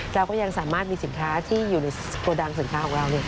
เราก็ยังสามารถมีสินค้าที่อยู่ในโกดังสินค้าของเรา